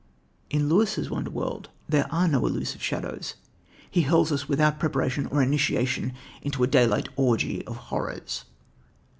In Lewis's wonder world there are no elusive shadows; he hurls us without preparation or initiation into a daylight orgy of horrors.